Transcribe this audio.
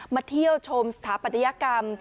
เที่ยวชมสถาปัตยกรรม